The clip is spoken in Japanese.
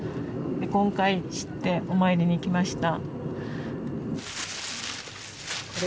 今回知ってお参りに来ました。